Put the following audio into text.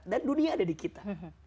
dan dunia ada di kita